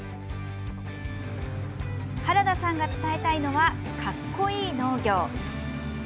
原田さんが伝えたいのは格好いい農業。